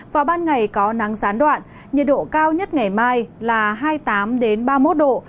vào ban ngày có nắng gián đoạn nhiệt độ cao nhất ngày mai là hai mươi tám ba mươi một độ